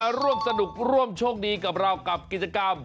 ร่วมสนุกร่วมโชคดีกับเรากับกิจกรรม